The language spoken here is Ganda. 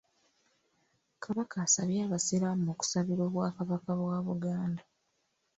Kabaka asabye abasiraamu okusabira Obwakabaka bwa Buganda.